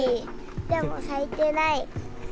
でも咲いてない。